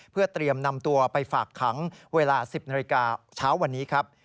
เพื่อเตรียมนำตัวไปฝากขังเวลา๑๐นาฬิกาเช้าวันนี้ครับ